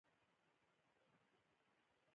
زړه د رحمت ډنډ دی.